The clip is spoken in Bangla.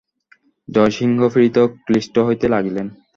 জয়সিংহ পীড়িত ক্লিষ্ট হইতে লাগিলেন।